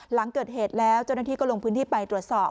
หลังเกิดเหตุแล้วเจ้าหน้าที่ก็ลงพื้นที่ไปตรวจสอบ